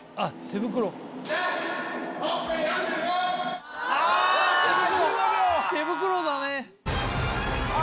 手袋だね。